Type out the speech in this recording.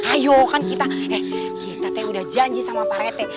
ayo kan kita eh kita teh udah janji sama pak rete